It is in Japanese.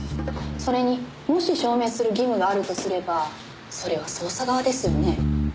それにもし証明する義務があるとすればそれは捜査側ですよね？